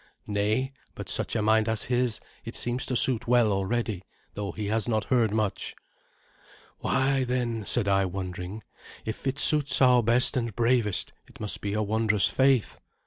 "Nay, but such a mind as his it seems to suit well already, though he has not heard much." "Why, then," said I, wondering, "if it suits our best and bravest, it must be a wondrous faith.